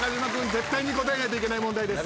絶対に答えないといけない問題です。